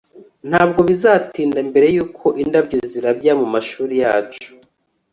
ntabwo bizatinda mbere yuko indabyo zirabya mumashuri yacu